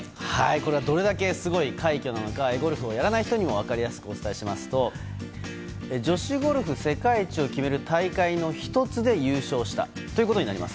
これはどれだけすごい快挙なのかゴルフをやらない人にも分かりやすく解説しますと女子ゴルフ世界１を決める大会の１つで優勝したということになります。